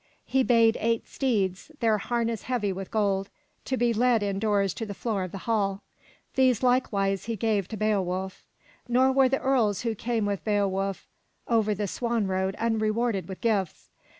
He bade eight steeds, their harness heavy with gold, to be led indoors on the floor of the hall. These, likewise, he gave to Beowulf. Nor were the earls who came with Beowulf over the swan road unrewarded with gifts.